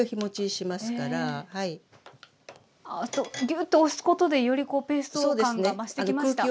ぎゅっと押すことでよりこうペースト感が増してきました。